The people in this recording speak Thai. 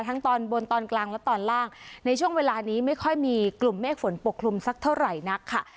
ตอนบนตอนกลางและตอนล่างในช่วงเวลานี้ไม่ค่อยมีกลุ่มเมฆฝนปกคลุมสักเท่าไหร่นักค่ะ